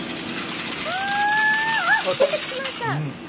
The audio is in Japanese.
あ！あっ出てきました！